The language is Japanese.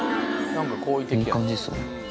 いい感じですね。